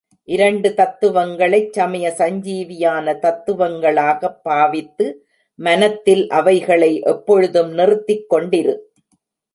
இரண்டு தத்துவங்களைச் சமய சஞ்சீவியான தத்துவங்களாகப் பாவித்து மனத்தில் அவைகளை எப்பொழுதும் நிறுத்திக் கொண்டிரு.